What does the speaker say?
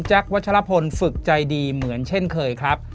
วัชลพลฝึกใจดีเหมือนเช่นเคยครับ